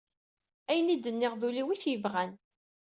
Ayen i denniɣ d ul-iw it-yebɣan